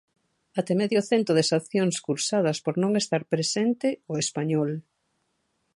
Até medio cento de sancións cursadas por non estar presente o español.